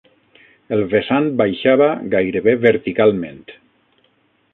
El vessant baixava gairebé verticalment